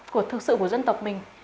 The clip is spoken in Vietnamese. của thực sự của dân tộc mình